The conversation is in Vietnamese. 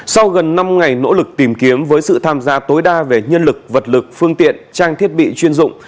sau gần năm ngày nỗ lực tìm kiếm với sự tham gia tối đa về nhân lực vật lực phương tiện trang thiết bị chuyên dụng